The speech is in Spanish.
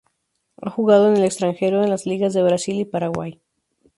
Ha jugado en el extranjero, en las ligas de Brasil y Paraguay.